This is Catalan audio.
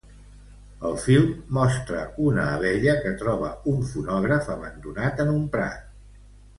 El film mostra una abella que troba un fonògraf abandonat en un prat.